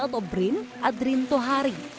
atau brin adrin tohari